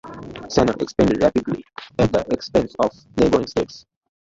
Sennar expanded rapidly at the expense of neighboring states.